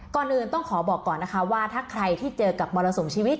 ก่อนอื่นต้องขอบอกก่อนนะคะว่าถ้าใครที่เจอกับมรสุมชีวิต